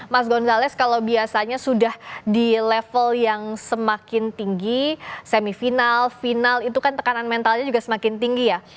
mas gonzalez kalau biasanya sudah di level yang semakin tinggi semifinal final itu kan tekanan mentalnya juga semakin tinggi ya